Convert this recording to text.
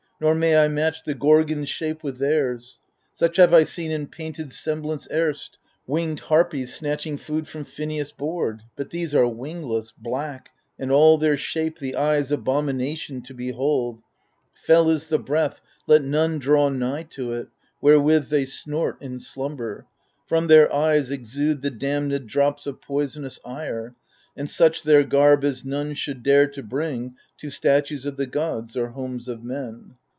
Nor may I match the Gorgons' shape with theirs 1 Such have I seen in painted semblance erst — Winged Harpies, snatching food from Phineus' board, — But these are wingless, black, and all their shape The eye's abomination to behold. Fell is the breath — let none draw nigh to it — Wherewith they snort in slumber ; from their eyes Exude the damnM drops of poisonous ire : And such their garb as none should dare to bring To statues of the gods or homes of men.